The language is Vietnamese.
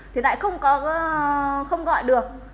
thì lại không gọi được